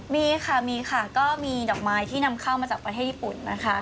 มีค่ะมีค่ะก็มีดอกไม้ที่นำเข้ามาจากประเทศญี่ปุ่นนะคะ